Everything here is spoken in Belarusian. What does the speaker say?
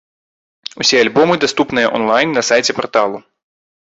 Усе альбомы даступныя он-лайн на сайце парталу.